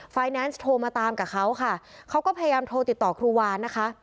แนนซ์โทรมาตามกับเขาค่ะเขาก็พยายามโทรติดต่อครูวานะคะ